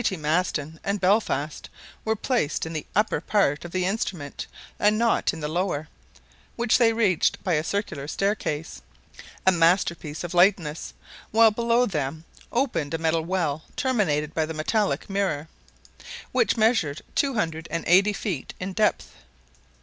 T. Maston and Belfast were placed in the upper part of the instrument and not in the lower, which they reached by a circular staircase, a masterpiece of lightness, while below them opened a metal well terminated by the metallic mirror, which measured two hundred and eighty feet in depth.